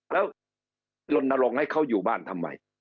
แล้วลนลงให้เขาอยู่บ้านทำไม